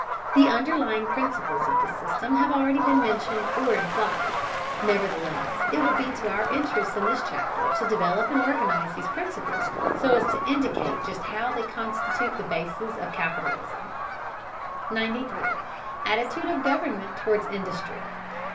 The underlying principles of this system have already been mentioned or implied; nevertheless it will be to our interest in this chapter to develop and organize these principles so as to indicate just how they constitute the bases of capitalism. 93. ATTITUDE OF GOVERNMENT TOWARD INDUSTRY.